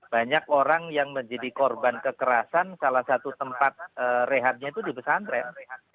banyak orang yang menjadi korban kekerasan salah satu tempat rehatnya itu di pesantren